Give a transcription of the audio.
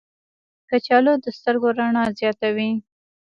کچالو د سترګو رڼا زیاتوي.